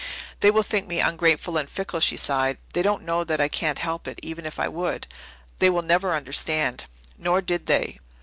"They will think me ungrateful and fickle," she sighed. "They don't know that I can't help it even if I would. They will never understand." Nor did they.